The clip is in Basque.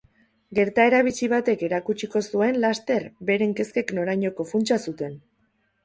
Gertaera bitxi batek erakutsiko zuen, laster, beren kezkek norainoko funtsa zuten.